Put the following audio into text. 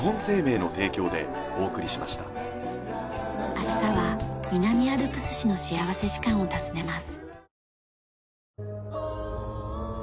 明日は南アルプス市の幸福時間を訪ねます。